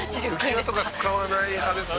「浮き輪とか使わない派ですね」